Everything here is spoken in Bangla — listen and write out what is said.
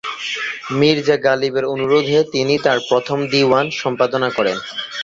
মির্জা গালিবের অনুরোধে তিনি তার প্রথম দিওয়ান সম্পাদনা করেন।